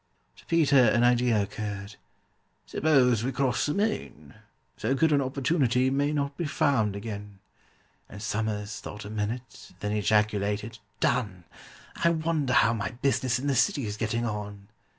To PETER an idea occurred. "Suppose we cross the main? So good an opportunity may not be found again." And SOMERS thought a minute, then ejaculated, "Done! I wonder how my business in the City's getting on?"